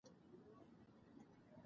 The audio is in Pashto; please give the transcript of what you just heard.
ـ ږيره دما، واک يې د ملا.